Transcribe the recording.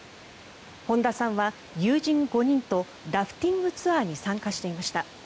本田さんは友人５人とラフティングツアーに参加していました。